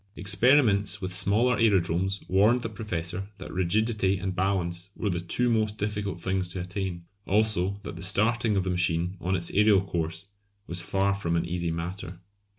Experiments with smaller aerodromes warned the Professor that rigidity and balance were the two most difficult things to attain; also that the starting of the machine on its aerial course was far from an easy matter.